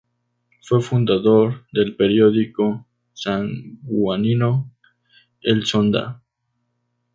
Fue fundador del periódico sanjuanino "El Zonda".